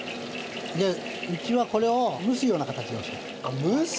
うちはこれを蒸すような形にします。